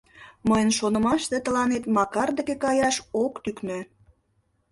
Мыйын шонымаште, тыланет Макар деке каяш ок тӱкнӧ.